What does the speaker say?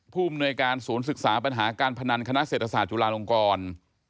ภูมิหน่วยการศูนย์ศึกษาปัญหาการพนันคณะเศรษฐศาสตร์จุฬาลงกร